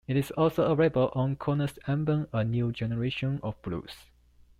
It is also available on Korner's album "A New Generation of Blues".